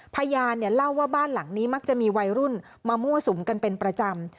พยานเล่าว่าบ้านหลังนี้มักจะมีวัยรุ่นมามั่วสุมกันเป็นประจำ